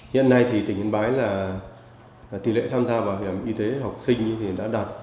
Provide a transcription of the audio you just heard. hiện nay thì tỉnh yên bái là tỷ lệ tham gia bảo hiểm y tế học sinh đã đạt chín mươi bảy